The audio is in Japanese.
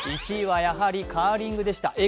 １位は、やはりカーリングでした。